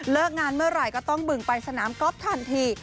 งานเมื่อไหร่ก็ต้องบึงไปสนามก๊อฟทันที